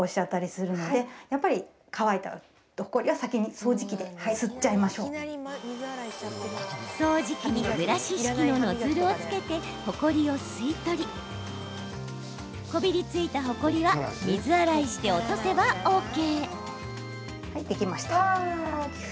掃除機にブラシ式のノズルを付けて、ほこりを吸い取りこびりついたほこりは水洗いして落とせばＯＫ！